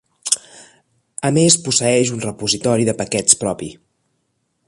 A més posseeix un repositori de paquets propi.